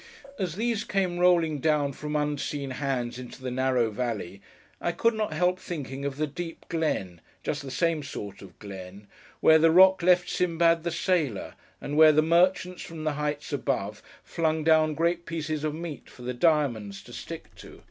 As these came rolling down from unseen hands into the narrow valley, I could not help thinking of the deep glen (just the same sort of glen) where the Roc left Sindbad the Sailor; and where the merchants from the heights above, flung down great pieces of meat for the diamonds to stick to.